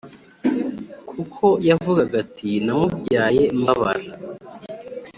kuko yavugaga ati namubyaye mbabara